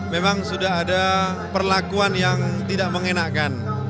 memang sudah ada perlakuan yang tidak mengenakan